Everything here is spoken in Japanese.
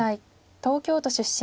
東京都出身。